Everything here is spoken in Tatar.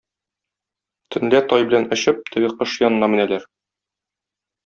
Төнлә, тай белән очып, теге кош янына менәләр.